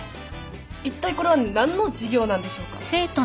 いったいこれは何の授業なんでしょうか？